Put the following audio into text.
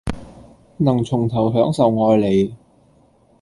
能從頭享受愛你